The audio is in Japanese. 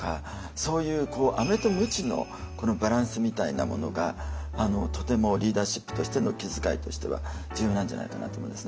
そういうアメとムチのこのバランスみたいなものがとてもリーダーシップとしての気遣いとしては重要なんじゃないかなと思うんですね。